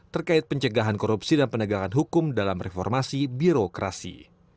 terkait pencegahan korupsi dan penegakan hukum dalam reformasi birokrasi